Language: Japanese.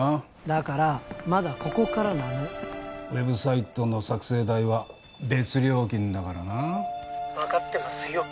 だからまだここからなのウェブサイトの作成代は別料金だからな☎分かってますよ